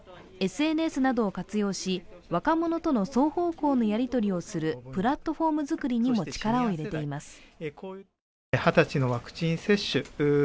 ＳＮＳなどを活用し、若者との双方とのやり取りをするプラットフォーム作りにも力を入れています。